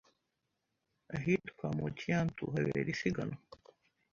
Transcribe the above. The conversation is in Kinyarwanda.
ahitwa Mutianyu habera isiganwa